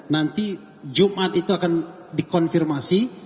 nanti jumat itu akan dikonfirmasi